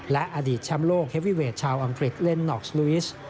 และอดีตแชมป์โลกเฮวีเวทชาวอังกฤษเล่นน็อกซ์ลูวิส